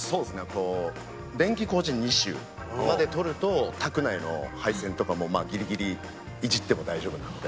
こう電気工事二種まで取ると宅内の配線とかもギリギリいじっても大丈夫なので。